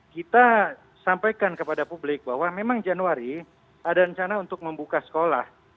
kita sampaikan kepada publik bahwa memang januari ada rencana untuk membuka sekolah